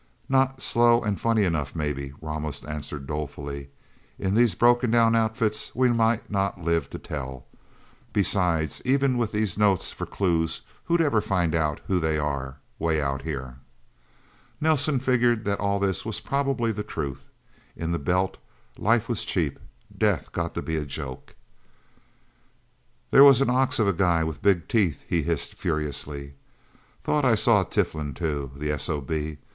"Not slow and funny enough, maybe," Ramos answered dolefully. "In these broken down outfits, we might not live to tell. Besides, even with these notes for clues, who'd ever find out who they are, way out here?" Nelsen figured that all this was probably the truth. In the Belt, life was cheap. Death got to be a joke. "There was an ox of a guy with big teeth!" he hissed furiously. "Thought I saw Tiflin, too the S.O.B.!